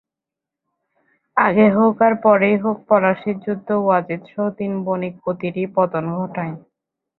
আগে হোক আর পরেই হোক, পলাশীর যুদ্ধ ওয়াজিদসহ তিন বণিকপতিরই পতন ঘটায়।